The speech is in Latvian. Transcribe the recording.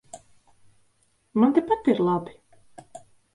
Man tepat ir labi.